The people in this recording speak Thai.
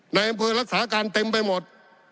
ในอำเภอรักษาการเต็มไปหมด